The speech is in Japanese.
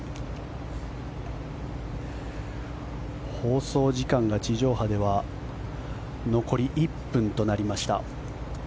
放送時間が地上波では残り１分となりました。